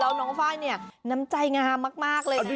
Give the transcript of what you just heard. แล้วน้องไฟล์เนี่ยน้ำใจงามมากเลยนะ